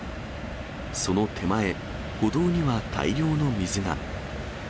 その手前、歩道には大量の水が。